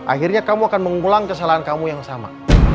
akhirnya kamu akan mengulang kesalahan kamu yang sama